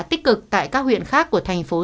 tích cực tại các huyện khác của thành phố